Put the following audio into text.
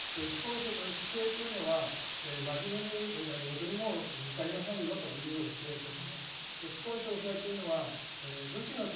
至誠というのは真面目に何事にも向かいなさいよという教えです。